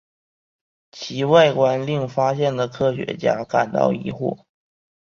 其外观令发现的科学家感到疑惑。